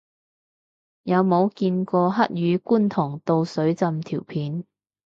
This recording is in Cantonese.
有冇見過黑雨觀塘道水浸條片